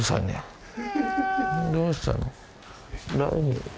どうしたの？